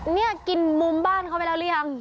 นี่กินมุมบ้านเขาไปแล้วหรือยัง